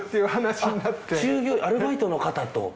あっアルバイトの方と？